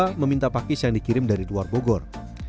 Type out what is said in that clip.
kami coba meminta pakis yang dikirim dari luar bogor